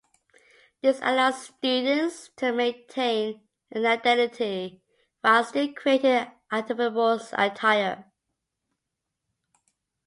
This allows students to maintain an identity while still creating identifiable attire.